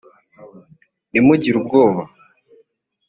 ntimugire ubwoba